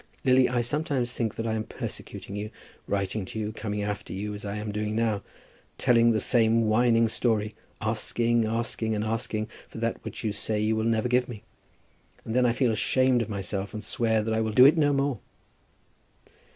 Lily, I sometimes think that I am persecuting you, writing to you, coming after you, as I am doing now, telling the same whining story, asking, asking, and asking for that which you say you will never give me. And then I feel ashamed of myself, and swear that I will do it no more."